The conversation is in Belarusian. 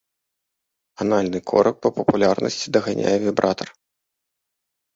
Анальны корак па папулярнасці даганяе вібратар.